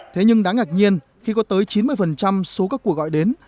thế nhưng đáng ngạc nhiên khi có tới chín mươi số các cuộc gọi đến